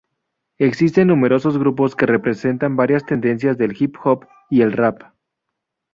Existen numerosos grupos que representan varias tendencias del hip hop y el rap.